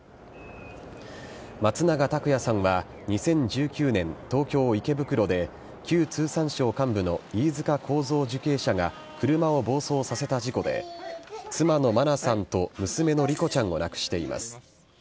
松永拓也さんは、２０１９年、東京・池袋で旧通産省幹部の飯塚幸三受刑者が、車を暴走させた事故で、妻の真菜さんと、娘の莉子ちゃんを亡くしています。